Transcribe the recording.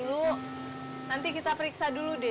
nanti kita periksa dulu deh